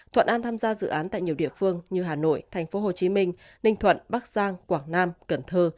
thuận an tham gia dự án tại nhiều địa phương như hà nội tp hcm ninh thuận bắc giang quảng nam cần thơ